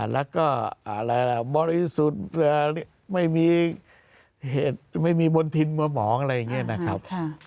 แล้วก็บริสุทธิ์ไม่มีเหตุไม่มีมณฑินเมื่อหมองอะไรอย่างนี้นะครับ